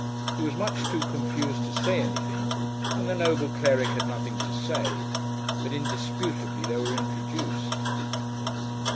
He was much too confused to say anything, and the noble cleric had nothing to say, but indisputably they were introduced....